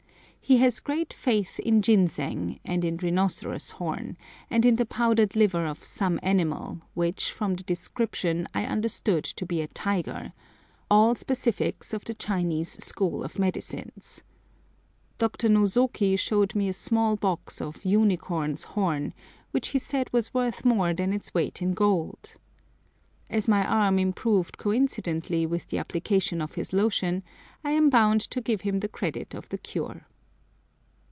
He has great faith in ginseng, and in rhinoceros horn, and in the powdered liver of some animal, which, from the description, I understood to be a tiger—all specifics of the Chinese school of medicines. Dr. Nosoki showed me a small box of "unicorn's" horn, which he said was worth more than its weight in gold! As my arm improved coincidently with the application of his lotion, I am bound to give him the credit of the cure.